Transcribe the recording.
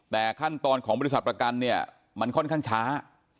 แต่ขั้นตอนของบริษัทประกันเนี่ยมันค่อนข้างช้า